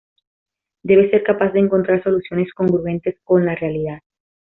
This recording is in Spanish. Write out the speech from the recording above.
Debe ser capaz de encontrar soluciones congruentes con la realidad.